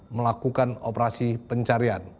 melakukan operasi pencarian